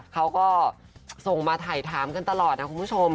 เขาก็ส่งมาถ่ายถามกันตลอดนะคุณผู้ชม